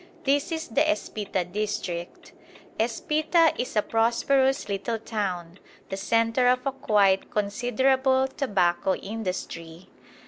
This is the Espita district. Espita is a prosperous little town, the centre of a quite considerable tobacco industry.